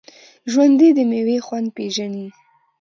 ژوندي د میوې خوند پېژني